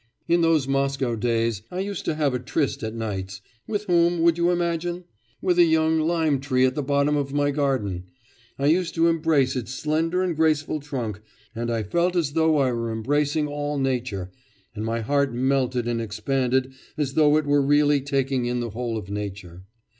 In those Moscow days I used to have a tryst at nights with whom, would you imagine? with a young lime tree at the bottom of my garden. I used to embrace its slender and graceful trunk, and I felt as though I were embracing all nature, and my heart melted and expanded as though it really were taking in the whole of nature.